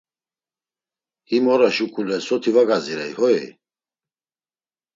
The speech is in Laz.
“Him ora şuǩule soti va gazirey hoi?”